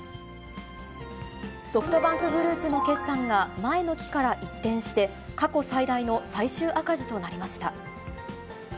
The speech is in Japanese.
ソフトバンクグループの決算が、前の期から一転して、過去最大の最終赤字となりました。